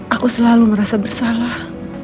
aku selalu merasa bersalah